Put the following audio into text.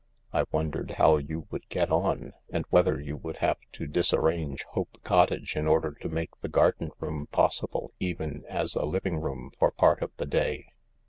I wondered how you would get on, and whether you would have to disarrange Hope Cottage in order to make the garden room possible even as a living room for part of the day."